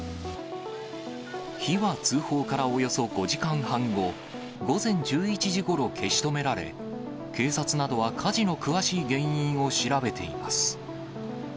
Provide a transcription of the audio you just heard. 火は通報からおよそ５時間半後、午前１１時ごろ、消し止められ、警察などは火事の詳しい原因を調べています。